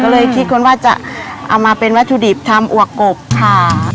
ก็เลยคิดคนว่าจะเอามาเป็นวัตถุดิบทำอวกกบค่ะ